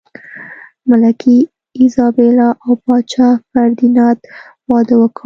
ملکې ایزابلا او پاچا فردیناند واده وکړ.